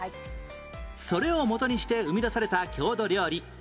それをもとにして生み出された郷土料理